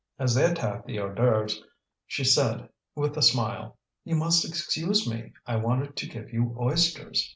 As they attacked the hors d'oeuvre she said, with a smile: "You must excuse me; I wanted to give you oysters.